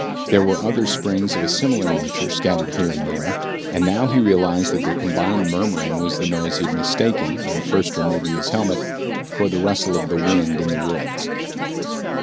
There were other springs of a similar nature scattered here and there, and now he realized that their combined murmuring was the noise he had mistaken, on first removing his helmet, for the rustle of the wind in the woods.